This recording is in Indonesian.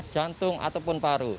jantung ataupun paru